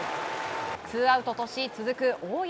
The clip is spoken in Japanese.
ツーアウトとし続く大山。